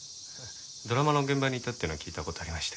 ドラマの現場にいたっていうのは聞いた事ありましたけど。